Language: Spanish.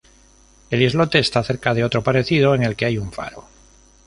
El islote está cerca de otro parecido, en el que hay un faro.